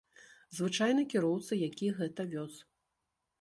Звычайны кіроўца, які гэта вёз.